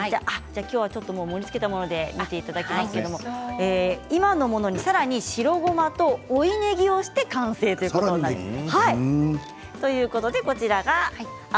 きょうは盛りつけたもので見ていただきますけれども今のものに、さらに白ごまと追いねぎをして完成となります。